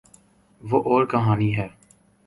وہ اورکہانی ہے۔